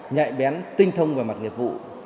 nhạy bén tinh thông vào mặt nghiệp vụ